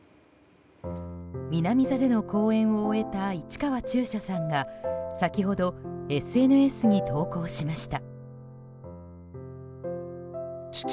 南座での公演を終えた市川中車さんが先ほど、ＳＮＳに投稿しました。